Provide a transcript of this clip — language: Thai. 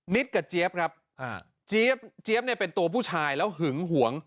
นิ๊ดกับเจี๊ยบครับเจี๊ยบเป็นตัวผู้ชายแล้วหึงห่วง